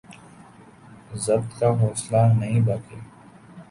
ضبط کا حوصلہ نہیں باقی